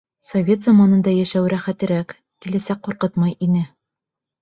— Совет заманында йәшәү рәхәтерәк, киләсәк ҡурҡытмай ине.